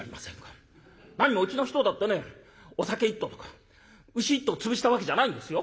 何もうちの人だってねお酒一斗とか牛一頭潰したわけじゃないんですよ。